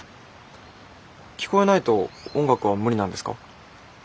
聞こえないと音楽は無理なんですか？